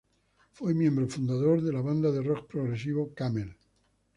Fue miembro fundador de banda de rock progresivo Camel.